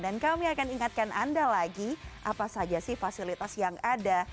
dan kami akan ingatkan anda lagi apa saja sih fasilitas yang ada